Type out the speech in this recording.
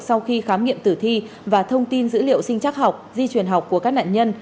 sau khi khám nghiệm tử thi và thông tin dữ liệu sinh chắc học di truyền học của các nạn nhân